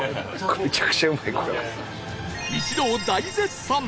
一同大絶賛！